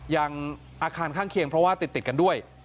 ยังอาคารข้างเคียงเพราะว่าติดกันด้วย